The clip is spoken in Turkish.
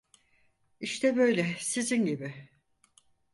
İşte böyle sizin gibi!